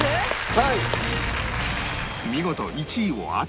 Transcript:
はい。